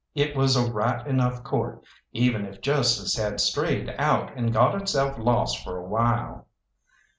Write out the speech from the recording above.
It was a right enough Court, even if justice had strayed out and got itself lost for a while.